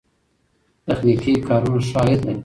تخنیکي کارونه ښه عاید لري.